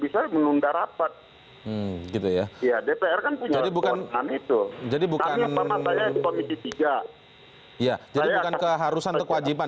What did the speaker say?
sama dengan kepolisian atau apa